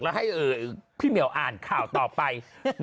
แล้วให้พี่เหมียวอ่านข่าวต่อไป